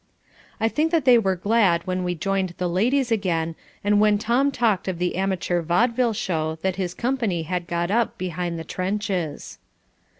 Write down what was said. I think that they were glad when we joined the ladies again and when Tom talked of the amateur vaudeville show that his company had got up behind the trenches.